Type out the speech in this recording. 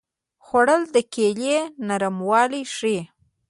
خوړل د کیلې نرموالی ښيي